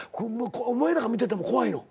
お前らが見てても怖いの？